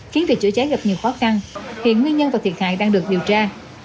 khiến việc chữa cháy gặp nhiều khó khăn hiện nguyên nhân và thiệt hại đang được điều tra